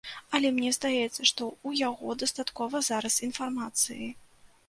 Але мне здаецца, што ў яго дастаткова зараз інфармацыі.